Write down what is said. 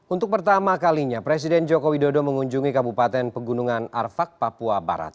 untuk pertama kalinya presiden joko widodo mengunjungi kabupaten pegunungan arfak papua barat